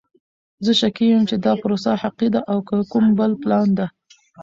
زه شکي یم چې دا پروسه حقیقی ده او که کوم بل پلان ده!